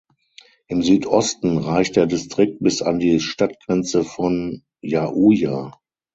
Im Südosten reicht der Distrikt bis an die Stadtgrenze von Jauja.